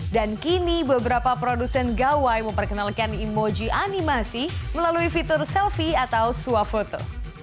dan kini beberapa produsen gawai memperkenalkan emoji animasi melalui fitur selfie atau sua foto